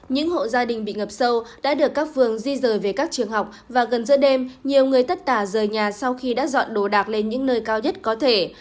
những hộ gia đình bị ngập sâu đã được các phường di rời về các trường học và gần giữa đêm nhiều người tất cả rời nhà sau khi đã dọn đồ đạc lên những nơi cao nhất có thể